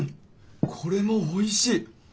これもおいしい！